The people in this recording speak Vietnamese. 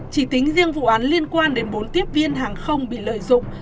chỉ tính riêng vụ án liên quan đến bốn tiếp viên hàng không bị lợi dụng